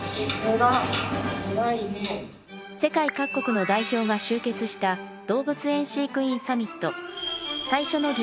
世界各国の代表が集結した動物園飼育員サミット。